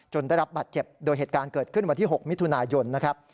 ได้รับบาดเจ็บโดยเหตุการณ์เกิดขึ้นวันที่๖มิถุนายนนะครับ